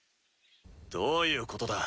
どういうことだ？